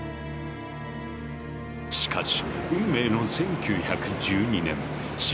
しかし運命の１９１２年４月１４日。